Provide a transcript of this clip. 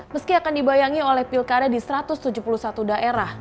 meski akan dibayangi oleh pilkada di satu ratus tujuh puluh satu daerah